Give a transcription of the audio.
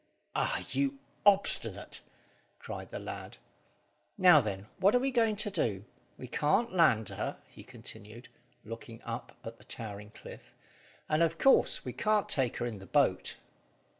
"Ah, you obstinate!" cried the lad. "Now, then, what are we going to do? We can't land her," he continued, looking up at the towering cliff, "and, of course, we can't take her in the boat."